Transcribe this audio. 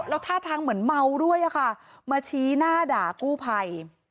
แล้วท่าทางเหมือนเมาด้วยค่ะมาชี้หน้าด่ากู้ภัย